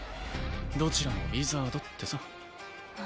どちらも「ウィザード」ってさあ